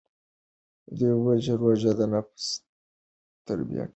ده وویل چې روژه د نفس تربیه کوي.